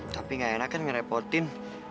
tapi gak enak kan ngerepotin